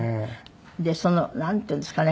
でなんていうんですかね。